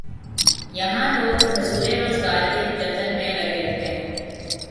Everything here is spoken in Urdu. یہاں لوگ حصول روزگار کے جتن میں لگے رہتے ہیں۔